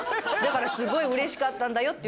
「すごいうれしかったんだよ」って言ってました。